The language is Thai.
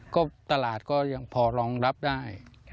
ก็ตลาดก็ยังพอรองรับได้